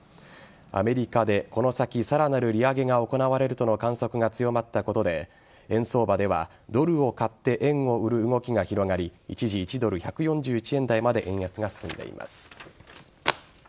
アメリカでこの先さらなる利上げが行われるとの観測が強まったことで円相場ではドルを買って円を売る動きが広がり、一時１ドル１４１円台まで円安が進んでいます。